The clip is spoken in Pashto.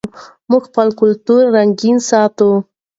موږ خپل کلتوري رنګونه ساتو.